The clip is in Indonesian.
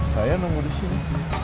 saya nunggu di sini